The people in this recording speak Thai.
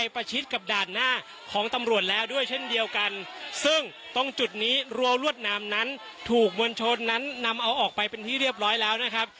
ประชิดกับด่านหน้าของตำรวจแล้วด้วยเช่นเดียวกันซึ่งตรงจุดนี้รัวรวดนามนั้นถูกมวลชนนั้นนำเอาออกไปเป็นที่เรียบร้อยแล้วนะครับ